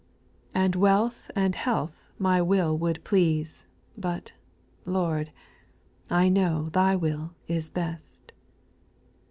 And wealth and health my will would please, But, Lord, I know Thy will is best A^ 2.